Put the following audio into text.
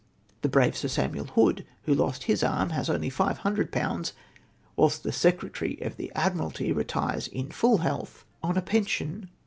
The brave Sir Samuel Hood, who lost his arm, has only 500/., ivhilst the late Secretary of the Admircdty retires, in full health, on a pension of 1500